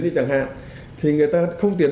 như chẳng hạn thì người ta không tuyển